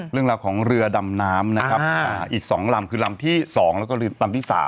เรื่องราวของเรือดำน้ำนะครับอีก๒ลำคือลำที่๒แล้วก็ลำที่๓